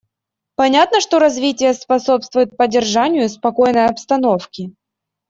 Понятно, что развитие способствует поддержанию спокойной обстановки.